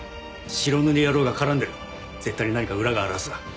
白塗り野郎が絡んでる絶対に何か裏があるはずだ。